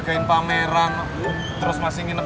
kapadanya sama cukup empat puluh tiga